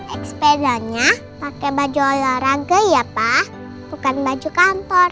ekspedanya pakai baju olahraga ya pa bukan baju kantor